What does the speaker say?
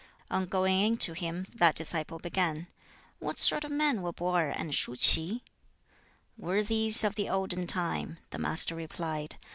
On going in to him, that disciple began, "What sort of men were Peh I and Shuh Ts'i?" "Worthies of the olden time," the Master replied.